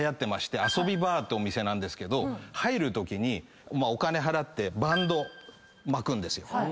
アソビバーってお店なんですけど入るときにお金払ってバンド巻くんですよ。